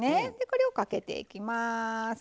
これをかけていきます。